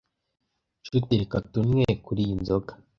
nshuti reka tunywe kuri iyi nzoga